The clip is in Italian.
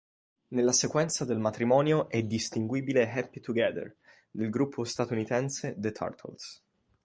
Nella sequenza del matrimonio è distinguibile "Happy Together" del gruppo statunitense The Turtles.